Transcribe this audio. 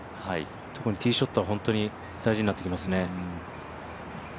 特にティーショットは本当に大事になってきますね。